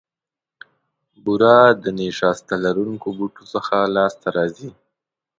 بوره د نیشاسته لرونکو بوټو څخه لاسته راځي.